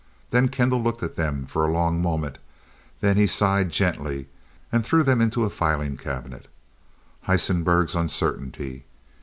Then Kendall looked at them for a long moment, then he sighed gently and threw them into a file cabinet. Heisenberg's Uncertainty.